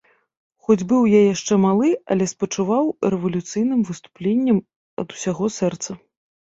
Хоць быў я яшчэ малы, але спачуваў рэвалюцыйным выступленням ад усяго сэрца.